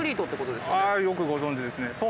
ああよくご存じですね。